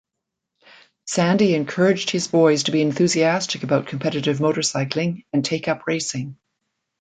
Sandy encouraged his boys to be enthusiastic about competitive motorcycling and take up racing.